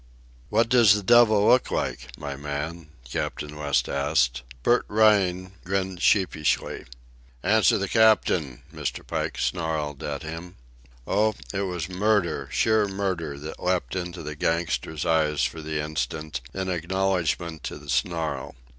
"What does the devil look like, my man?" Captain West asked. Bert Rhine grinned sheepishly. "Answer the captain!" Mr. Pike snarled at him. Oh, it was murder, sheer murder, that leapt into the gangster's eyes for the instant, in acknowledgment of the snarl.